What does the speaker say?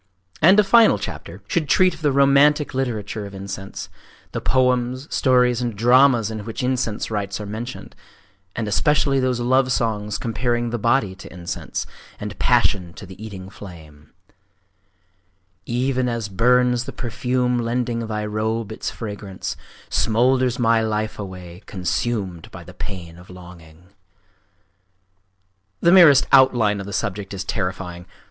And a final chapter should treat of the romantic literature of incense,—the poems, stories, and dramas in which incense rites are mentioned; and especially those love songs comparing the body to incense, and passion to the eating flame:— Even as burns the perfume lending thy robe its fragance, Smoulders my life away, consumed by the pain of longing! ….The merest outline of the subject is terrifying!